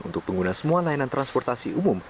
untuk pengguna semua layanan transportasi umum